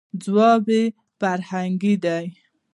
، ځواب یې «فرهنګ» دی.